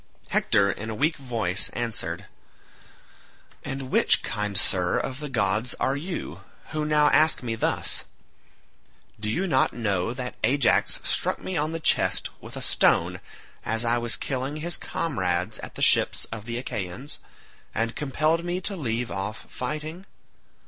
Hector in a weak voice answered, "And which, kind sir, of the gods are you, who now ask me thus? Do you not know that Ajax struck me on the chest with a stone as I was killing his comrades at the ships of the Achaeans, and compelled me to leave off fighting?